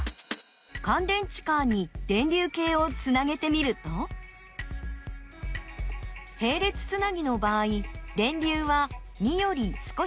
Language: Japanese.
かん電池カーに電流計をつなげてみるとへい列つなぎの場合電流は２より少し小さくなっています。